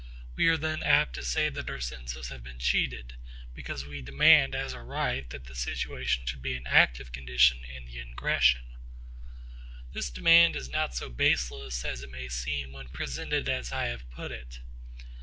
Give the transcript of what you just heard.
We are then apt to say that our senses have been cheated, because we demand as a right that the situation should be an active condition in the ingression. This demand is not so baseless as it may seem when presented as I have put it.